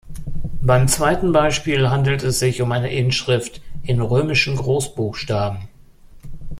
Beim zweiten Beispiel handelt es sich um eine Inschrift in römischen Großbuchstaben.